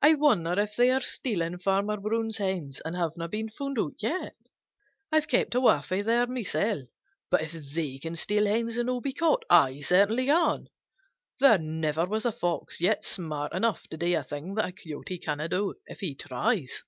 I wonder if they are stealing Farmer Brown's hens and haven't been found out yet. I've kept away from there myself, but if they can steal hens and not be caught, I certainly can. There never was a Fox yet smart enough to do a thing that a Coyote cannot do if he tries.